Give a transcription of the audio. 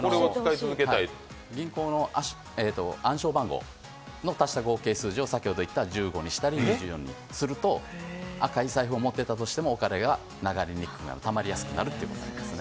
銀行の暗証番号を足した数字を先ほど言った１５にしたり２４にすると赤い財布を持っていたとしてもお金が流れにくくなる、たまりやすくなるということなんですよね。